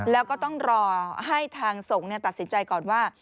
แล้วก็ต้องรอให้ทางสงฆ์ตัดสินใจก่อนว่า